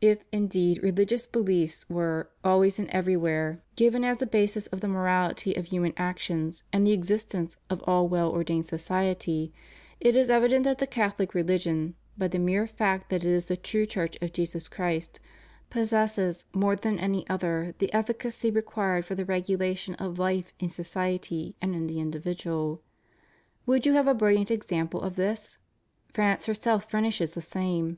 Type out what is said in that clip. If, indeed, religious beliefs were, always and everywhere, given as 252 ALLEGIANCE TO THE REPUBLIC. "a basis of the morality of human actions and the existence of all well ordained society, it is evident that the Catholic religion, by the mere fact that it is the true Church of Jesus Christ, possesses, more than any other, the efficacy required for the regulation of life in society and in the individual. Would you have a brilliant example of this? France herself furnishes the same.